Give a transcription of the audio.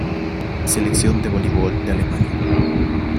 Selección de voleibol de Alemania